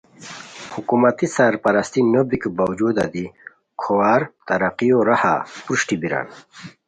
حکومتی سرپرسرتی نو بیکو باوجودا دی کھوار ترقیو راہاپروشٹی بیران